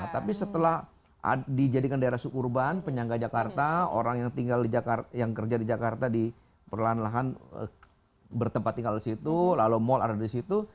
tapi setelah dijadikan daerah suburban penyangga jakarta orang yang kerja di jakarta di perlahan lahan bertempat tinggal di situ lalu mal ada di situ